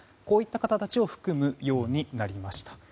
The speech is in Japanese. こういった方たちを含むようになりました。